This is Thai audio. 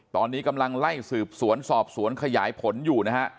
ตอนนี้กำลังไล่สืบสวนสอบสวนขยายผลอยู่นะฮะ